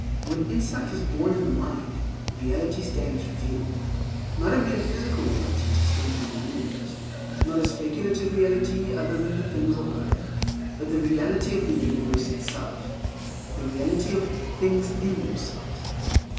When insight is born in the mind, Reality stands revealed; not a metaphysical reality distinct from the universe; not a speculative reality other than the things of life, but the Reality of the universe itself, the Reality of "things in themselves."